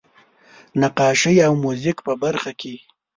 نقاشۍ او موزیک په برخه کې.